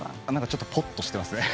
ちょっとぽっとしてますね。